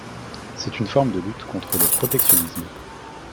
C'est une forme de lutte contre le protectionnisme.